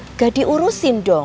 nggak diurusin dong